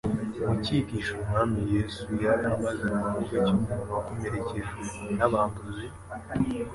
Mu cyigisho Umwami Yesu yari amaze kuvuga cy'umuntu wakomerekejwe n'abambuzi,